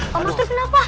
pak master kenapa